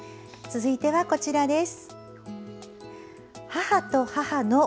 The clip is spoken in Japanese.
続いてはこちらです。